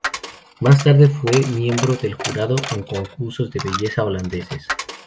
Más tarde fue miembro del jurado en concursos de belleza holandeses.